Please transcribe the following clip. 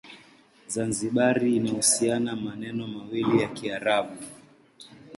Zanzibar ina uhusiano na maneno mawili ya Kiarabu.